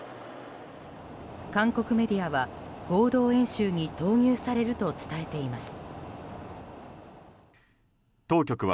韓国メディアは合同演習に投入されると伝えています。